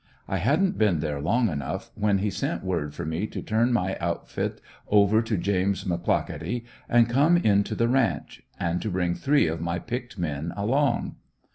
I hadn't been there long, though, when he sent word for me to turn my outfit over to James McClaughety and come in to the ranch; and to bring three of my picked men along.